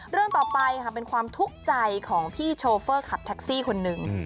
เรื่องต่อไปค่ะเป็นความทุกข์ใจของพี่โชเฟอร์ขับแท็กซี่คนหนึ่ง